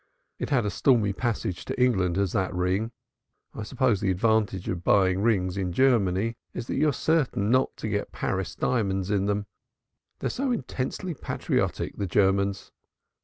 It's had a stormy passage to England, has that ring, I suppose the advantage of buying rings in Germany is that you're certain not to get Paris diamonds in them, they are so intensely patriotic, the Germans.